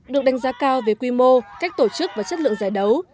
được đánh giá cao về quy mô cách tổ chức và chất lượng giải đấu